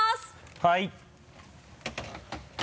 はい。